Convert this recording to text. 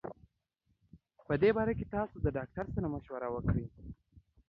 په دي باره کي تاسو له ډاکټر سره مشوره کړي